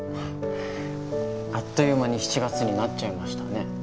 あっという間に７月になっちゃいましたね。